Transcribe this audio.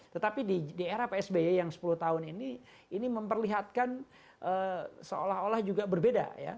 tetapi di era psb yang sepuluh tahun ini ini memperlihatkan seolah olah juga berbeda ya